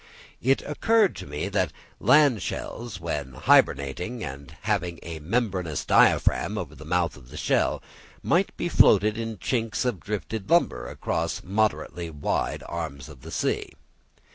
It occurred to me that land shells, when hybernating and having a membranous diaphragm over the mouth of the shell, might be floated in chinks of drifted timber across moderately wide arms of the sea.